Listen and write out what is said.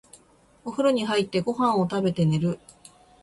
お風呂に入って、ご飯を食べて、寝る。